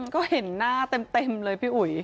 ก็เห็นหน้าเต็มเลยพี่อุ๋ย